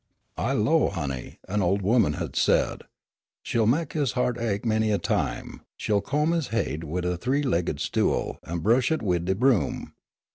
"I 'low, honey," an old woman had said, "she'll mek his heart ache many a time. She'll comb his haid wid a three legged stool an' bresh it wid de broom.